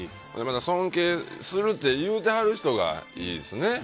尊敬するって言うてはる人がいいですね。